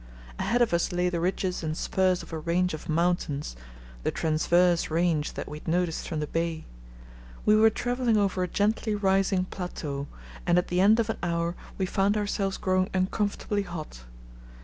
Ahead of us lay the ridges and spurs of a range of mountains, the transverse range that we had noticed from the bay. We were travelling over a gently rising plateau, and at the end of an hour we found ourselves growing uncomfortably hot.